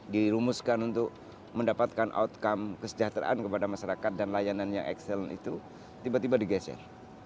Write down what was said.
dirumuskan untuk mendapatkan outcome kesejahteraan kepada masyarakat dan layanan yang ekselen itu tiba tiba digeser